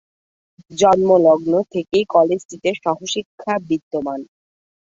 জন্মলগ্ন থেকেই কলেজটিতে সহশিক্ষা বিদ্যমান।